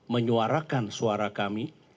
menyuarakan suara kami